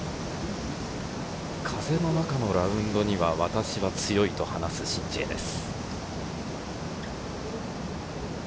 風の中のラウンドには私は強いと話すシン・ジエです。